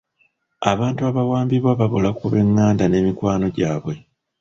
Abantu abawambibwa babula ku b'enganda n'emikwano gyabwe